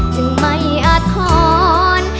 จึงไม่อาทร